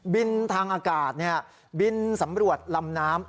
บินทางอากาศบินสำรวจลำน้ำ